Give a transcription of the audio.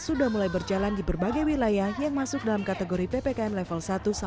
sudah mulai berjalan di berbagai wilayah yang masuk dalam kategori ppkm level satu